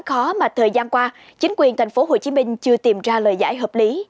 có khó mà thời gian qua chính quyền thành phố hồ chí minh chưa tìm ra lời giải hợp lý